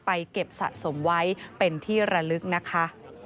เก็บสะสมไว้เป็นที่ระลึกนะคะ